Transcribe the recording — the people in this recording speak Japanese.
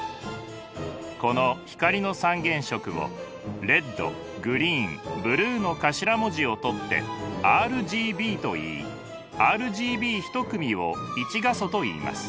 この光の三原色をレッドグリーンブルーの頭文字を取ってＲＧＢといいＲＧＢ１組を１画素といいます。